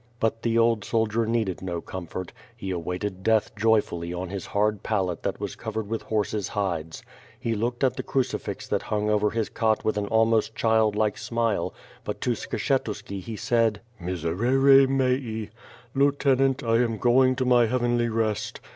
But the old soldier needed no comfort; he awaited death joyfully on his hard pallet that was covered with horses' hides. He looked at the crucifix that hung over his cot with an almost childlike smile; but to Skshetuski he said: "Miserere mei! lieutenant, I am going to my heavenly rest.